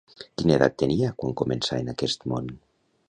Quina edat tenia quan començà en aquest món?